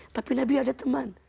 tapi nabi ada teman